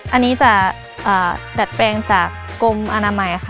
อันนี้จะดัดแปลงจากกรมอนามัยค่ะ